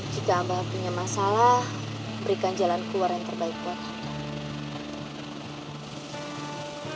jika amal punya masalah berikan jalan keluar yang terbaik buat kita